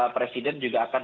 presiden juga akan